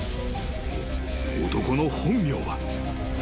［男の本名は］